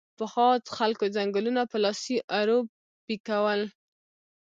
پخوا خلکو ځنګلونه په لاسي ارو پیکول